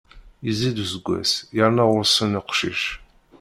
Yezzi-d useggas, yerna ɣur-sen uqcic.